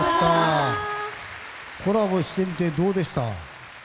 コラボしてみてどうでした？